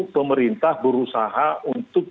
pemerintah berusaha untuk